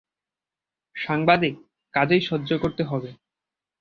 সাংবাদিক, কাজেই সহ্য করতে হবে।